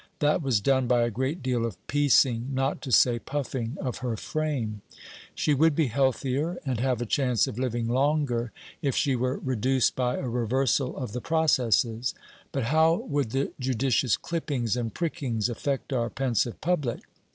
That was done by a great deal of piecing, not to say puffing, of her frame. She would be healthier and have a chance of living longer if she were reduced by a reversal of the processes. But how would the judicious clippings and prickings affect our "pensive public"?